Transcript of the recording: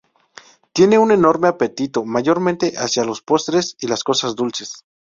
Tiene un enorme apetito, mayormente hacia los postres y las cosas dulces.